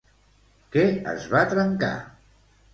Què es va trencar?